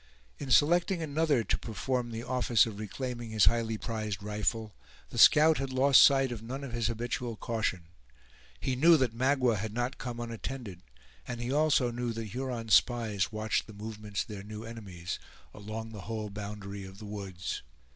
In selecting another to perform the office of reclaiming his highly prized rifle, the scout had lost sight of none of his habitual caution. He knew that Magua had not come unattended, and he also knew that Huron spies watched the movements of their new enemies, along the whole boundary of the woods.